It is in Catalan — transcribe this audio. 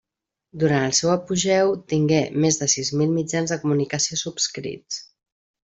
Durant el seu apogeu tingué més de sis mil mitjans de comunicació subscrits.